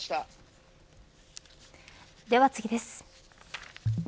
では次です。